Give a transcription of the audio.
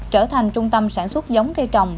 trở thành trung tâm sản xuất giống cây trồng